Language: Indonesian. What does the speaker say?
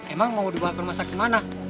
emang mau dibawa ke rumah sakit mana